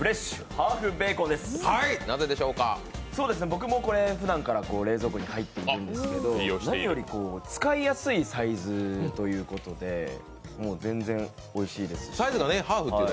僕、ふだんからこれ、冷蔵庫に入ってるんですけど何より使いやすいサイズとということで全然、おいしいですし。